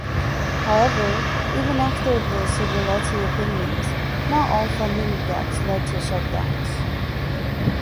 However, even after the Civiletti opinions, not all funding gaps led to shutdowns.